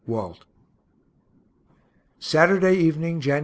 WALT. _Saturday evening, Jan.